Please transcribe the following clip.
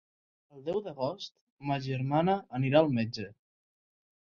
El deu d'agost ma germana anirà al metge.